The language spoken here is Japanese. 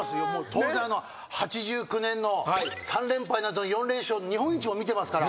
当然あの８９年の３連敗の後に４連勝の日本一も見てますから。